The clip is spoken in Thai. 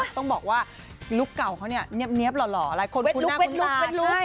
ต้องบอกว่าลุคเก่าเขาเนี๊ยบหล่อคนคุณหน้าคุณลา